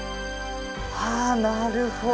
はあなるほど。